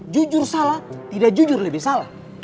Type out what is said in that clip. jujur salah tidak jujur lebih salah